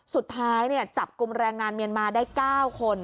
สุดท้ายจับกลุ่มแรงงานเมียนมาได้๙คน